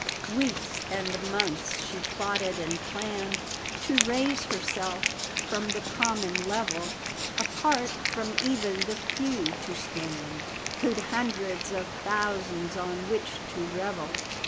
Weeks and months she plotted and planned To raise herself from the common level; Apart from even the few to stand Who'd hundreds of thousands on which to revel.